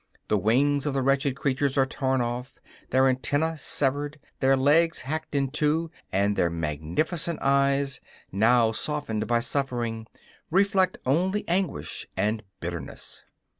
The wings of the wretched creatures are torn off, their antennæ severed, their legs hacked in two; and their magnificent eyes, now softened by suffering, reflect only anguish and bitterness.